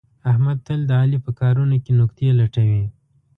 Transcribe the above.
احمد تل د علي په کارونو کې نکتې لټوي.